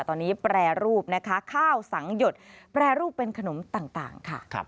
ตอนนี้แปรรูปนะคะข้าวสังหยดแปรรูปเป็นขนมต่างค่ะ